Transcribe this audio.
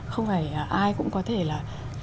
không phải ai cũng có thể là